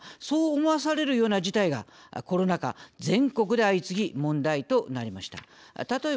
そう思わされるような事態がコロナ禍全国で相次ぎ問題となりました。